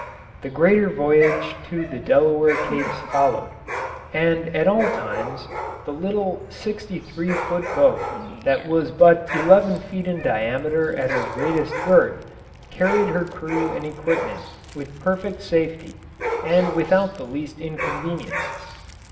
The greater voyage to the Delaware Capes followed, and at all times the little sixty three foot boat that was but eleven feet in diameter at her greatest girth carried her crew and equipment with perfect safety and without the least inconvenience.